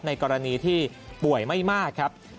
กรณีที่ป่วยไม่มากครับ